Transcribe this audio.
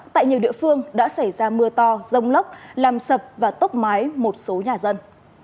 tại nhiều địa phương đã xảy ra mưa to rông lốc làm sập và tốc mái một số nhà dân